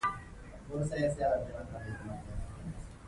هغې یو خوب لیدلی دی.